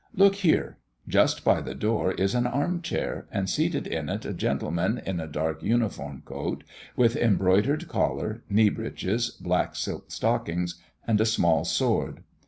Look there! just by the door is an arm chair, and seated in it a gentleman in a dark uniform coat with embroidered collar, knee breeches, black silk stockings, and a small sword.